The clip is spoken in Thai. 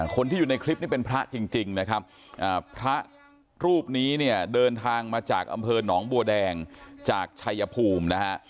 คนที่อยู่ในคลิปนี้เป็นพระจริงนะครับพระรูปนี้เนี่ยเดินทางมาจากอำเภอหนองบัวแดงจากชัยภูมินะฮะ